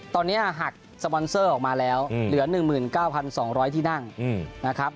ตอนนี้หักสปอนเซอร์ออกมาแล้วเหลือ๑๙๒๐๐ที่นั่งนะครับ